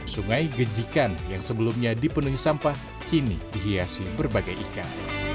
sungai gejikan yang sebelumnya dipenuhi sampah kini dihiasi berbagai ikan